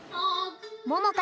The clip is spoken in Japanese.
ももか